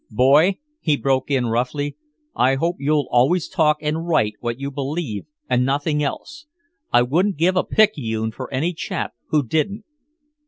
"Boy," he broke in roughly, "I hope you'll always talk and write what you believe and nothing else! I wouldn't give a picayune for any chap who didn't!"